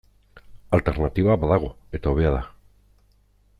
Alternatiba badago, eta hobea da.